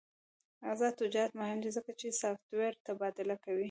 آزاد تجارت مهم دی ځکه چې سافټویر تبادله کوي.